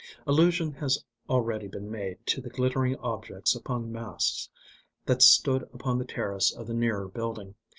Allusion has already been made to the glittering objects upon masts that stood upon the terrace of the nearer building.